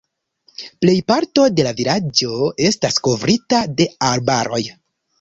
Plejparto de la vilaĝo estas kovrita de arbaroj.